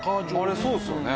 あれそうですよね。